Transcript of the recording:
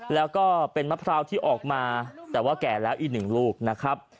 แล้วก็เป็นมะพร้าวที่ออกมาแต่ว่าแก่แล้วอีกหนึ่งลูกนะครับ